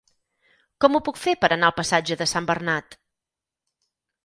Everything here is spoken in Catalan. Com ho puc fer per anar al passatge de Sant Bernat?